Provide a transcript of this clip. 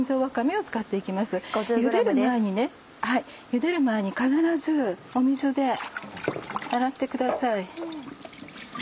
ゆでる前に必ず水で洗ってください。